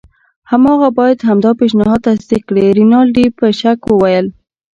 هماغه باید همدا پیشنهاد تصدیق کړي. رینالډي په شک وویل.